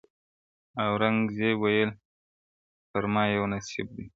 اورنګ زېب ویل پر ما یو نصیحت دی-